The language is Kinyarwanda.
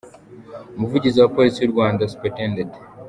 Umuvugizi wa Polisi y’u Rwanda, Supt.